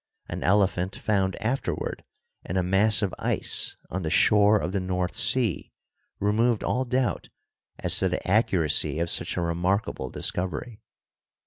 An elephant found afterward in a mass of ice on the shore of the North Sea removed all doubt as to the accurary of such a remarkable discovery.